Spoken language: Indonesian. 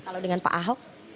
kalau dengan pak ahok